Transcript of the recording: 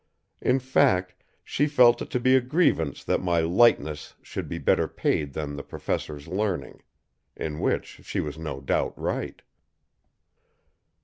In fact, she felt it to be a grievance that my lightness should be better paid than the Professor's learning. In which she was no doubt right!